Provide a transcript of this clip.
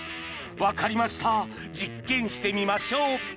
分かりました実験してみましょう！